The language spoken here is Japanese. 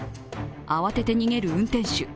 慌てて逃げる運転手。